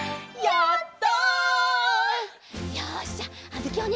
やった！